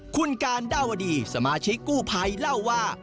คุณการดาวดีสมาชิกกู้ภัยเล่าว่า